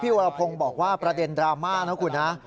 พี่วารพงษ์บอกว่าประเด็นดรามาฮ่านะครับคุณค่ะ